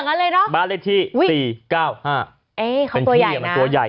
ขนาดตัวใหญ่